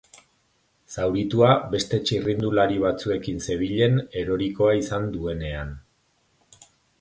Zauritua beste txirrindulari batzuekin zebilen erorikoa izan duenean.